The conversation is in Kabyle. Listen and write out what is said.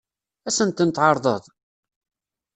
Ad sen-ten-tɛeṛḍeḍ?